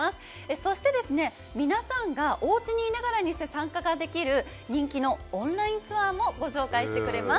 そして、皆さんがおうちにいながらにして参加ができる人気のオンラインツアーもご紹介してくれます。